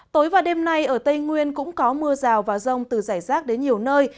tối và đêm nay ở tây nguyên cũng có mưa rào và rông từ giải rác đến nhiều nơi